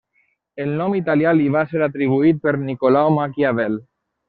El nom italià li va ser atribuït per Nicolau Maquiavel.